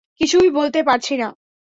কিছুই বলতে পারছি না।